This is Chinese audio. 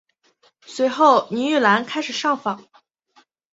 随后倪玉兰开始上访。